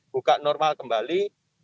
buka normal kembali